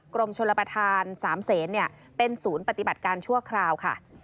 กรมชลประธาน๓เสนเป็นศูนย์ปฏิบัติการชั่วคราวค่ะ